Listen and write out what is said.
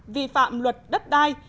vi phạm luật đất đai